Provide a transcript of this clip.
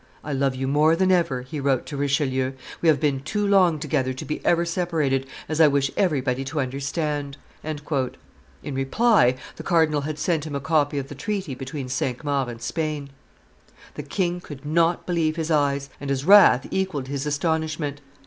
"I love you more than ever," he wrote to Richelieu: "we have been too long together to be ever separated, as I wish everybody to understand. In reply, the cardinal had sent him a copy of the treaty between Cinq Mars and Spain. The king could not believe his eyes; and his wrath equalled his astonishment.